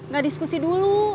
gak diskusi dulu